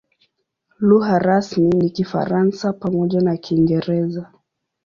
Lugha rasmi ni Kifaransa pamoja na Kiingereza.